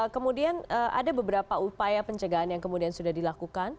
kemudian ada beberapa upaya pencegahan yang kemudian sudah dilakukan